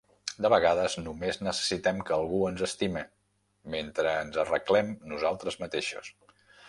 De vegades, només necessitem que algú ens estime, mentre ens arreglem nosaltres mateixos.